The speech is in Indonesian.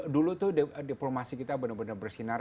dulu tuh diplomasi kita benar benar bersinar